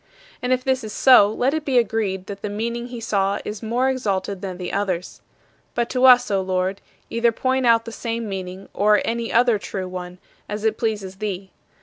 And if this is so, let it be agreed that the meaning he saw is more exalted than the others. But to us, O Lord, either point out the same meaning or any other true one, as it pleases thee.